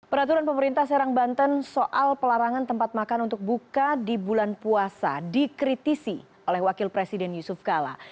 peraturan pemerintah serang banten soal pelarangan tempat makan untuk buka di bulan puasa dikritisi oleh wakil presiden yusuf kala